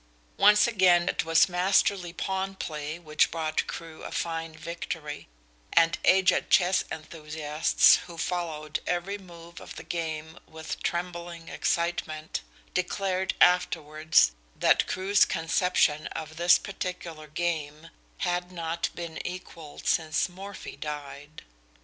Once again it was masterly pawn play which brought Crewe a fine victory, and aged chess enthusiasts who followed every move of the game with trembling excitement, declared afterwards that Crewe's conception of this particular game had not been equalled since Morphy died.